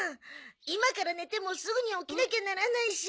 今から寝てもすぐに起きなきゃならないし。